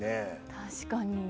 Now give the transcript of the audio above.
確かに。